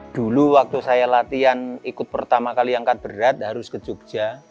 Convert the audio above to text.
dulu waktu saya latihan ikut pertama kali angkat berat harus ke jogja